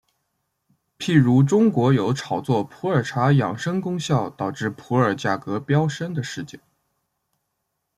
譬如中国有炒作普洱茶养生功效导致普洱价格飙升的事件。